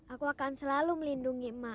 aku akan selalu melindungi ema